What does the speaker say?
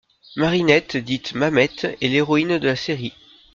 Marinette dite Mamette est l'héroïne de la série.